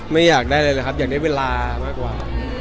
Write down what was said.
ไม่อยากได้อะไรแหละครับอยากได้เวลามากกว่า